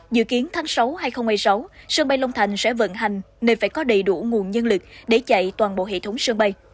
dự kiến tháng sáu hai nghìn một mươi sáu sân bay long thành sẽ vận hành nên phải có đầy đủ nguồn nhân lực để chạy toàn bộ hệ thống sân bay